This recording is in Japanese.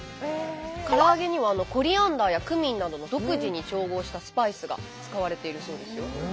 から揚げにはコリアンダーやクミンなどの独自に調合したスパイスが使われているそうですよ。